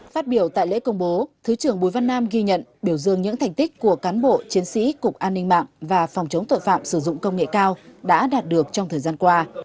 phát biểu tại lễ công bố thứ trưởng bùi văn nam ghi nhận biểu dương những thành tích của cán bộ chiến sĩ cục an ninh mạng và phòng chống tội phạm sử dụng công nghệ cao đã đạt được trong thời gian qua